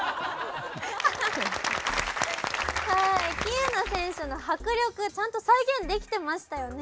はい喜友名選手の迫力ちゃんと再現できてましたよね。